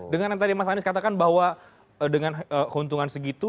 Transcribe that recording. dengan yang tadi mas anies katakan bahwa dengan keuntungan segitu